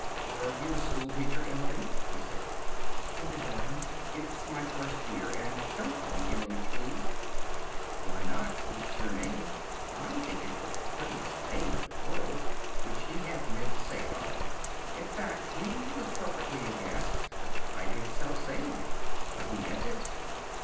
"Are you a schoolteacher, Emily?" he said. "Kindergarten. It's my first year. And don't call me Emily, please." "Why not? It's your name. I think it's the prettiest name in the world." Which he hadn't meant to say at all. In fact, he was perfectly aghast to find himself saying it. But he meant it.